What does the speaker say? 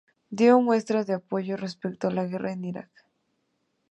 Dio muestras de apoyo respecto a la guerra en Irak.